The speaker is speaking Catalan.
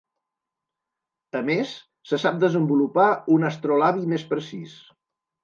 A més, se sap desenvolupar un astrolabi més precís.